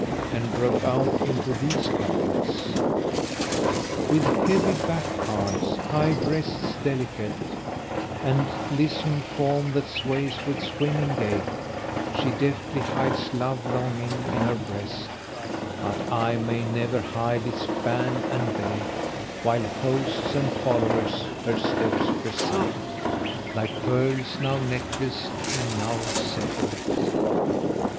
and broke out into these couplets, "With heavy back parts, high breasts delicate, * And lissome form that sways with swimming gait She deftly hides love longing in her breast; * But I may never hide its ban and bate: While hosts of followers her steps precede,[FN#186] * Like pearls now necklaced and now separate."